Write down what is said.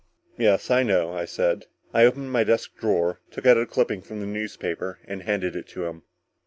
"Yes, I know," I said. I opened my desk drawer, took out a clipping from the newspaper, and handed it to him.